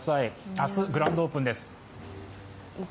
明日、グランドオープンです。